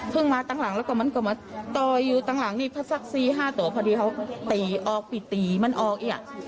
คือต่างหลังนี่พระศักดิ์สี่ห้าตัวพอดีเขาตีออกปิดตีมันออกอี๊ะ